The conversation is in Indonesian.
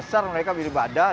asal mereka beribadah